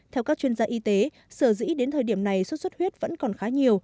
theo các chuyên gia y tế sở dĩ đến thời điểm này xuất xuất huyết vẫn còn khá nhiều